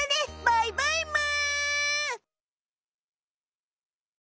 バイバイむ！